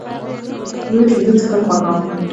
زه د شیدو څښل خوښوم.